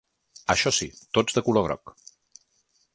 Això sí, tots de color groc.